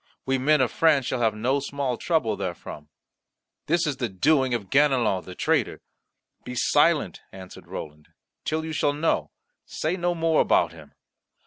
We men of France shall have no small trouble therefrom. This is the doing of Ganelon the traitor." "Be silent," answered Roland, "till you shall know; say no more about him."